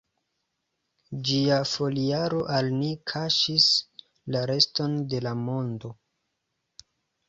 Ĝia foliaro al ni kaŝis la reston de la mondo.